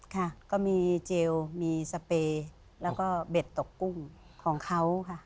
ค่ะก็มีเจลมีสเปย์แล้วก็เบ็ดตกกุ้งของเขาค่ะ